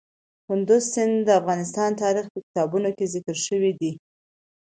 کندز سیند د افغان تاریخ په کتابونو کې ذکر شوی دي.